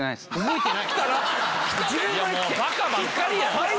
バカばっかりやん！